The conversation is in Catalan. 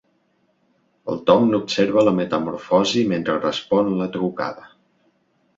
El Tom n'observa la metamorfosi mentre respon la trucada.